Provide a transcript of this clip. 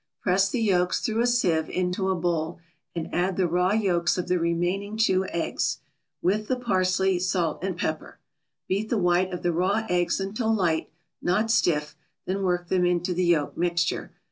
Press the yolks through a sieve into a bowl, and add the raw yolks of the remaining two eggs, with the parsley, salt and pepper. Beat the white of the raw eggs until light, not stiff, then work them into the yolk mixture.